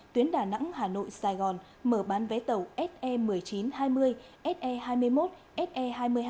tuyến đà nẵng hà nội sài gòn mở bán vé tàu se một mươi chín hai mươi se hai mươi một se hai mươi hai